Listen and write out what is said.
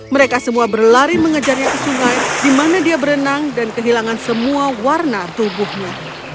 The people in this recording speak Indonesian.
mereka semua berlari mengejarnya ke sungai di mana dia berenang dan kehilangan semua warna tubuhnya